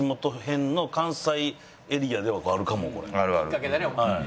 きっかけだね。